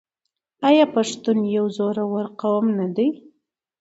آیا پښتون یو زړور قوم نه دی؟